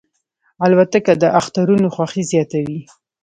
الوتکه د اخترونو خوښي زیاتوي.